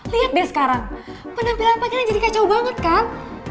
lihat deh sekarang penampilan pangeran jadi kacau banget kan